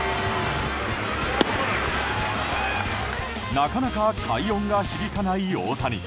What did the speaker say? なかなか快音が響かない大谷。